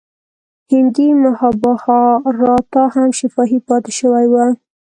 هندي مهابهاراتا هم شفاهي پاتې شوی و.